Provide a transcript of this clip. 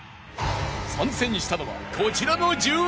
［参戦したのはこちらの１２人］